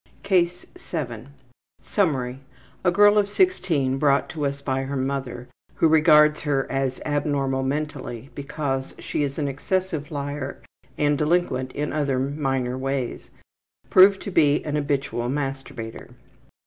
CASE 7 Summary: A girl of 16 brought to us by her mother, who regards her as abnormal mentally because she is an excessive liar and delinquent in other minor ways, proved to be an habitual masturbator.